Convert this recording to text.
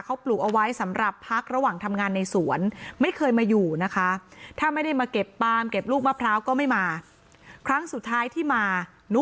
เขาปลูกเอาไว้สำหรับพักระหว่างทำงานในสวนไม่เคยมาอยู่นะคะ